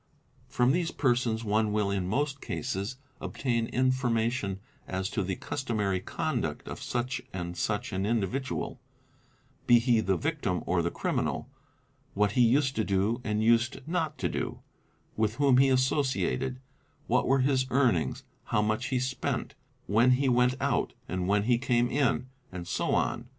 From these persons one will in most cases obtain information as to the customary conduct of such and such an individual, be he the victim or the criminal, what he used to do and used not to do, with whom he associated, what were his earnings, how much he spent, when he went i; PROCEDURE 13 a 'out, and when he came in, and so on.